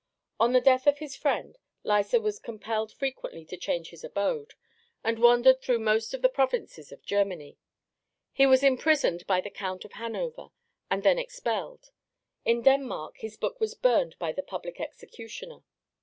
On the death of his friend Lyser was compelled frequently to change his abode, and wandered through most of the provinces of Germany. He was imprisoned by the Count of Hanover, and then expelled. In Denmark his book was burned by the public executioner.